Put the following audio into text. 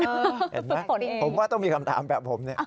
เห็นไหมผมว่าต้องมีคำถามแบบผมเนี่ย